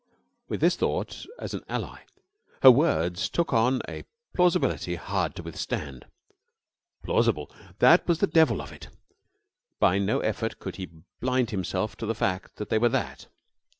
With this thought as an ally her words took on a plausibility hard to withstand. Plausible! That was the devil of it. By no effort could he blind himself to the fact that they were that.